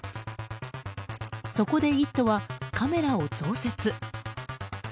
そこで「イット！」はカメラを増設。